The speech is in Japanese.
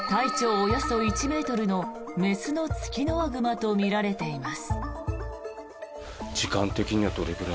およそ１ｍの雌のツキノワグマとみられています。